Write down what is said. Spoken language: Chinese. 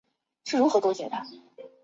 汕头市有人员死亡报导。